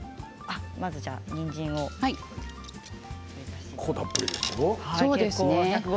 にんじん結構たっぷりですよ。